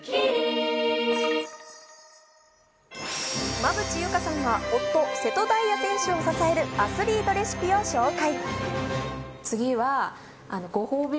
馬淵優佳さんが夫・瀬戸大也さん選手を支えるアスリートレシピを紹介。